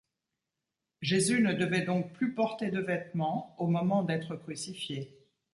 Jésus ne devait donc plus porter de vêtements au moment d'être crucifié.